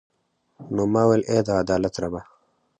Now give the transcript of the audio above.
نو ما ویل ای د عدالت ربه.